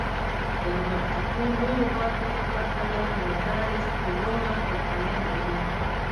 د مکسیکو نورو برخو په پرتله نوګالس سونورا هوساینه لري.